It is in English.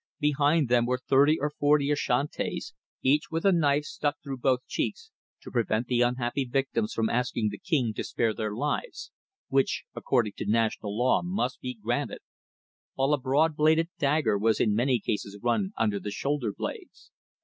Behind them were twenty or thirty Ashantis, each with a knife stuck through both cheeks, to prevent the unhappy victims from asking the King to spare their lives, which, according to national law, must be granted, while a broad bladed dagger was in many cases run under the shoulder blades.